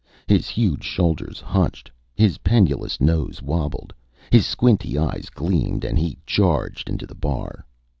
His huge shoulders hunched, his pendulous nose wobbled, his squinty eyes gleamed and he charged into the bar.